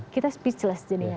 kita speechless jadinya